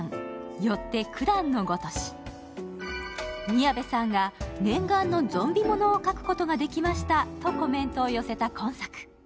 宮部さんが念願のゾンビものを書くことができましたとコメントを寄せた今作。